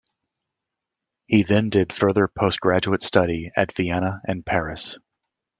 He then did further postgraduate study at Vienna and Paris.